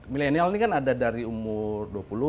milenial ini kan ada dari umur dua puluh